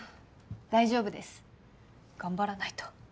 大丈夫です頑張らないと。